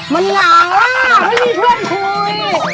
มันหนาวอ่ะไม่มีเพื่อนคุย